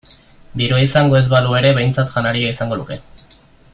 Dirua izango ez balu ere behintzat janaria izango luke.